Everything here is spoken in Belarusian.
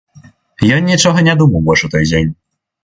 Ён нічога не думаў больш у той дзень.